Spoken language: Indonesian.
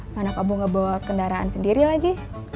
karena kamu gak bawa kendaraan sendiri lagi